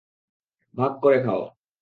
ভাগ করে খাও।